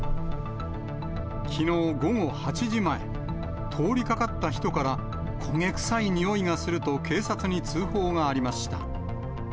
きのう午後８時前、通りかかった人から、焦げ臭いにおいがすると警察に通報がありました。